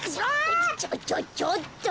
ちょちょちょっと！